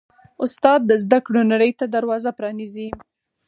استاد د زده کړو نړۍ ته دروازه پرانیزي.